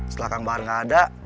setelah kang bar nggak ada